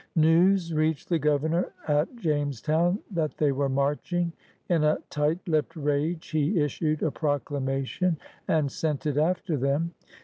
News reached the Governor at Jamestown that they were marching. In a tight lipped rage he issued a proclamation and sent it after them.